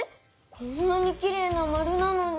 こんなにきれいなまるなのに？